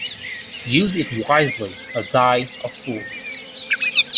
Use it wisely or die a fool.